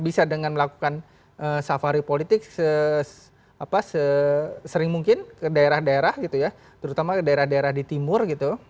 bisa dengan melakukan safari politik sesering mungkin ke daerah daerah gitu ya terutama ke daerah daerah di timur gitu